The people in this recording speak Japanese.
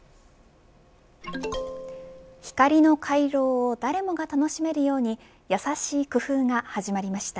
光の回廊を誰もが楽しめるように優しい工夫が始まりました。